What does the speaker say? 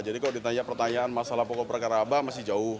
jadi kalau ditanya pertanyaan masalah pokok perkara apa masih jauh